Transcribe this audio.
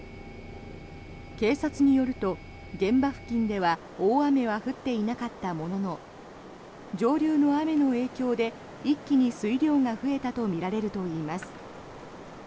警察によると現場付近では大雨は降っていなかったものの上流の雨の影響で一気に水量が増えたとみられるといいます。